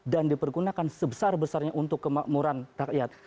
dan dipergunakan sebesar besarnya untuk kemakmuran rakyat